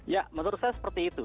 ya menurut saya seperti itu